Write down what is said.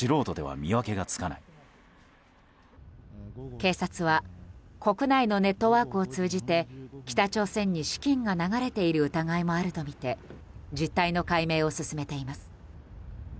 警察は国内のネットワークを通じて北朝鮮に資金が流れている疑いもあるとみて実態の解明を進めています。